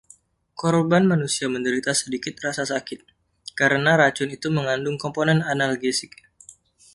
Korban manusia menderita sedikit rasa sakit, karena racun itu mengandung komponen analgesik.